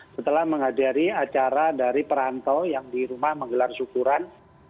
setelah menghadiri acara dari perantau yang di rumah menggelar syukuran